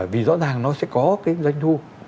vì rõ ràng nó sẽ có cái doanh thu